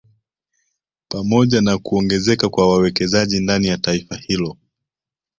Pamoja na kuongezeka kwa wawekezaji ndani ya taifa hilo